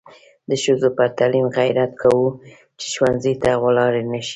د ښځو پر تعلیم غیرت کوو چې ښوونځي ته ولاړې نشي.